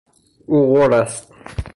او غر است